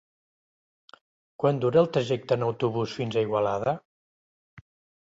Quant dura el trajecte en autobús fins a Igualada?